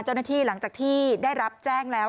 เจ้าหน้าที่หลังจากที่ได้รับแจ้งแล้ว